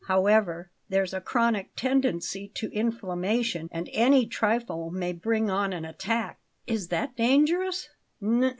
However, there's a chronic tendency to inflammation, and any trifle may bring on an attack " "Is that dangerous?"